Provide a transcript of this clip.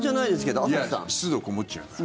湿度こもっちゃうから。